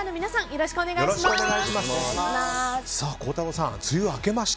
よろしくお願いします。